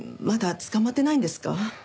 まだ捕まってないんですか？